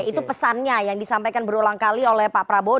itu pesannya yang disampaikan berulang kali oleh pak prabowo